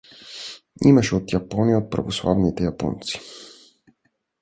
Имаше от Япония — от православните японци.